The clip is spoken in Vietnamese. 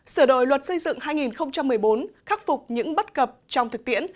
sửa đổi luật xây dựng hai nghìn một mươi bốn khắc phục những bất cập trong thực tiễn